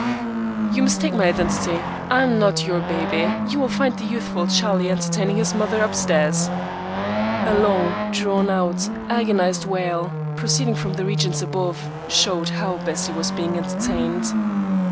"You mistake my identity. I'm not your baby. You will find the youthful Charlie entertaining his mother up stairs." A long drawn out, agonized wail, proceeding from the regions above, showed how Bessie was being entertained.